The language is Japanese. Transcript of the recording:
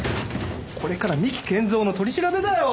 これから三木賢三の取り調べだよ！